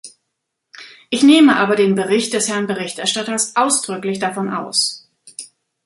Ich nehme aber den Bericht des Herrn Berichterstatters ausdrücklich davon aus!